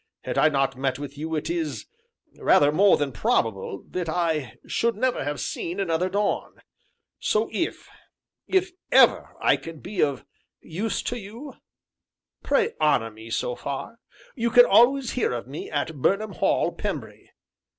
Had I not met with you it is rather more than probable that I should never have seen another dawn; so if if ever I can be of use to you, pray honor me so far; you can always hear of me at Burnham Hall, Pembry.